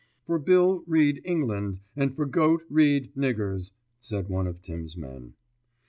"For Bill read England and for goat read niggers," said one of Tims' men.